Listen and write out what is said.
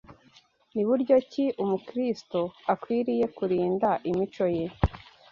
Ni buryo ki Umukristo akwiriye kurinda imico ye